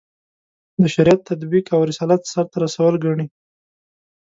د شریعت تطبیق او رسالت سرته رسول ګڼي.